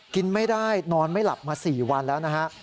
กินไม่ได้นอนไม่หลับมา๔วันแล้วนะฮะ